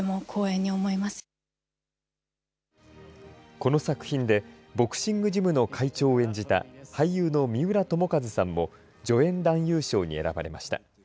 この作品でボクシングジムの会長を演じた俳優の三浦友和さんも助演男優賞に選ばれました。